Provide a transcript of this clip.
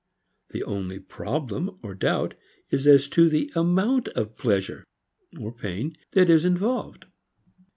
The only "problem" or doubt is as to the amount of pleasure (or pain) that is involved.